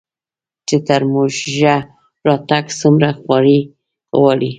چې تر موږه راتګ څومره خواري غواړي